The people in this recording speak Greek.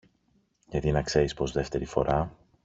γιατί να ξέρεις πως δεύτερη φορά